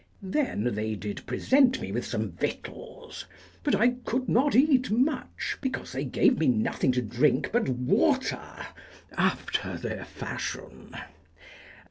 Then did they present me with some victuals, but I could not eat much, because they gave me nothing to drink but water after their fashion.